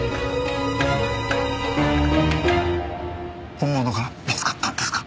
本物が見つかったんですか？